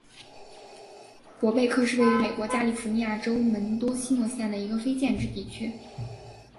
伯贝克是位于美国加利福尼亚州门多西诺县的一个非建制地区。